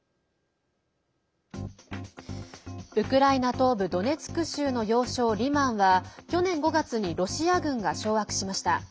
東部ドネツク州の要衝リマンは去年５月にロシア軍が掌握しました。